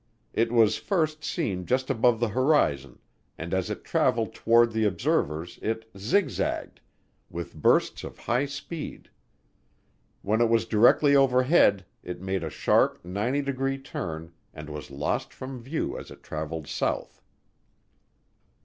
It was first seen just above the horizon, and as it traveled toward the observers it "zigzagged," with bursts of high speed. When it was directly overhead it made a sharp 90 degree turn and was lost from view as it traveled south.